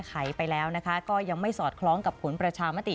ไขไปแล้วนะคะก็ยังไม่สอดคล้องกับผลประชามติ